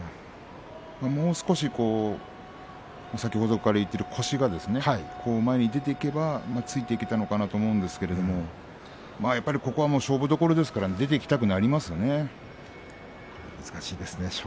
もう少し先ほどから言っている腰が前に出ていけばついていけたのかなと思うんですがここは勝負どころですから難しいですね。